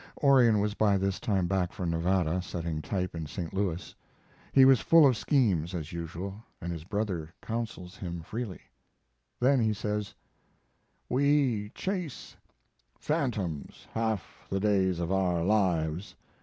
Orion was by this time back from Nevada, setting type in St. Louis. He was full of schemes, as usual, and his brother counsels him freely. Then he says: We chase phantoms half the days of our lives.